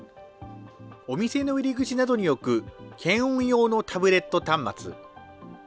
お店の入り口などに置く検温用のタブレット端末。